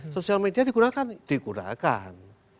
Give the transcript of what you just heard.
sosial media digunakan digunakan